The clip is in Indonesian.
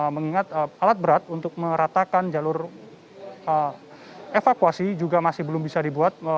mengingat alat berat untuk meratakan jalur evakuasi juga masih belum bisa dibuat